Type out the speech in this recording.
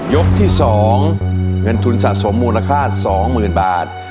ยกที่๒เงินทุนสะสมมูลค่า๒๐๐๐บาท